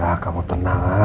ya kamu tenang